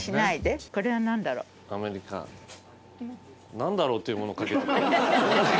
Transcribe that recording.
「なんだろう？」っていうものをかける。